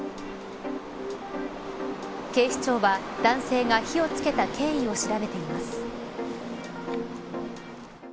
警視庁は、男性が火をつけた経緯を調べています。